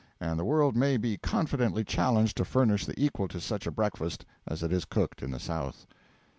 and the world may be confidently challenged to furnish the equal to such a breakfast, as it is cooked in the South.